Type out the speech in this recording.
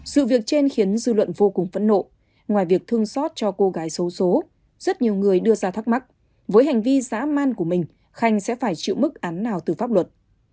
sự việc trên khiến dư luận vô cùng phẫn nộ ngoài việc thương xót cho cô gái xấu xố rất nhiều người đưa ra thắc mắc với hành vi giã man của mình khanh sẽ phải chịu mức án nào từ pháp luật